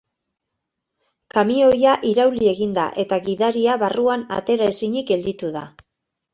Kamioia irauli egin da eta gidaria barruan atera ezinik gelditu da.